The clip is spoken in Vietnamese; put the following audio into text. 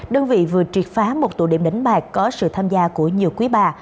đơn vị vừa triệt phá một tụ điểm đánh bạc có sự tham gia của nhiều quý bà